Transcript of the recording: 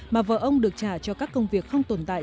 mà vợ ông được trả cho các công việc không tồn tại